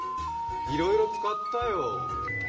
いろいろ使ったよ。